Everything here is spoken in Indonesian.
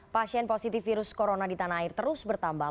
pasien positif virus corona di tanah air terus bertambah